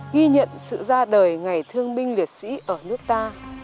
ghi nhận sự ra đời ngày thương binh liệt sĩ ở nước ta